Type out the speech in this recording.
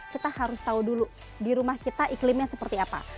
kita harus tahu dulu di rumah kita iklimnya seperti apa